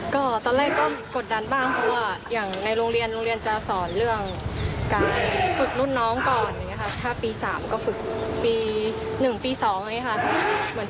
ก็ตอนแรกก็กดดันบ้างเพราะว่าอย่างในโรงเรียน